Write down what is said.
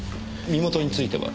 身元については？